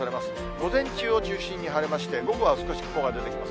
午前中を中心に晴れまして、午後は少し雲が出てきます。